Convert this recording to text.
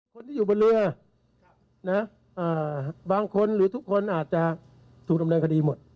คนที่อยู่บนเรือบางคนหรือทุกคนอาจจะถูกดำเนินคดีหมด